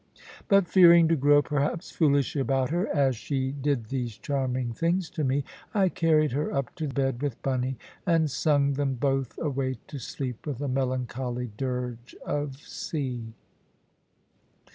But fearing to grow perhaps foolish about her, as she did these charming things to me, I carried her up to bed with Bunny, and sung them both away to sleep with a melancholy dirge of sea.